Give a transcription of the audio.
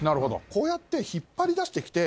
こうやって引っ張り出して来て